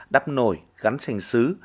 đắp nổi gắn sành xứ